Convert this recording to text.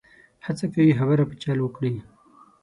هڅه کوي خبره په چل وکړي.